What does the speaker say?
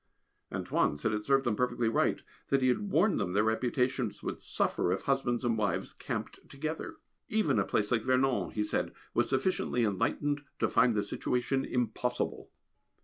"Antoine" said it served them perfectly right, that he had warned them their reputations would suffer if husbands and wives camped together. Even a place like Vernon, he said, was sufficiently enlightened to find the situation impossible.